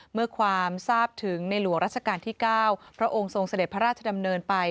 เมื่อความทราบถึงในหลวงราชการที่๙พระองค์ทรงเสด็จพระราชดำเนินไป